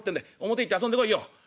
表行って遊んでこいよ」。